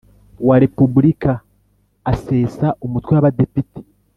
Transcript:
wa Repubulika asesa Umutwe w Abadepite